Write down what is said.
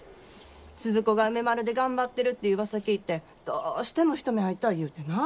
スズ子が梅丸で頑張ってるってうわさ聞いてどうしても一目会いたい言うてな。